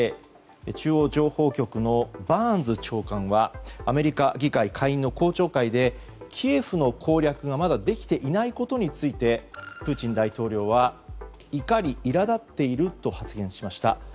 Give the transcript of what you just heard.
ＣＩＡ・中央情報局のバーンズ長官はアメリカ議会下院の公聴会でキエフの攻略がまだできていないことについてプーチン大統領は怒りいら立っていると発言しました。